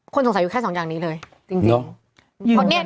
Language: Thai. สงสัยอยู่แค่สองอย่างนี้เลยจริง